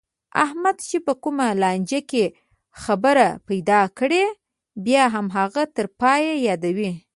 احمد چې په کومه لانجه کې خبره پیدا کړي، بیا هماغه تر پایه یادوي.